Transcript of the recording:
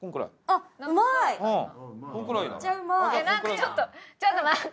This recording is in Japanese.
ちょっとちょっと待って。